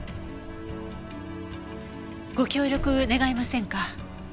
ご協力願えませんか？